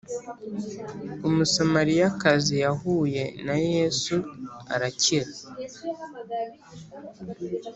Umusamariyakazi yahuye na yesu arakira